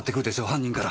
犯人から。